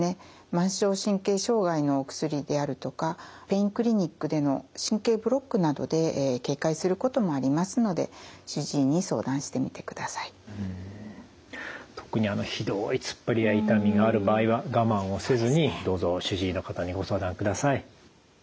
末梢神経障害のお薬であるとかペインクリニックでの神経ブロックなどで軽快することもありますので特にひどいつっぱりや痛みがある場合は我慢をせずにどうぞ主治医の方にご相談ください。